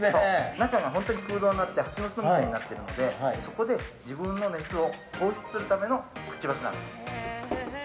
中が空洞になっていてハチの巣みたいになっているのでそこで自分の熱を放出するためのくちばしなんです。